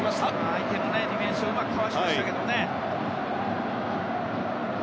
相手のディフェンスうまくかわしましたけどね。